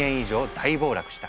大暴落した。